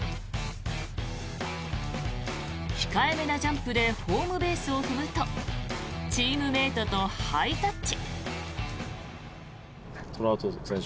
控えめなジャンプでホームベースを踏むとチームメートとハイタッチ。